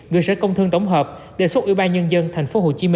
gửi sở công thương tổng hợp đề xuất ủy ban nhân dân tp hcm